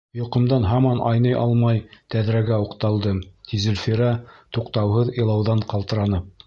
Йоҡомдан һаман айный алмай тәҙрәгә уҡталдым. — ти Зөлфирә туҡтауһыҙ илауҙан ҡалтыранып.